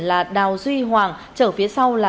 là đào duy hoàng chở phía sau là